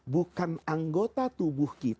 bukan anggota tubuh kita